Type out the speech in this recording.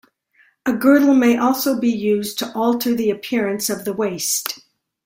A girdle may also be used to alter the appearance of the waist.